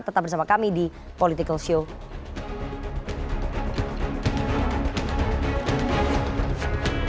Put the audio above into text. tetap bersama kami di political show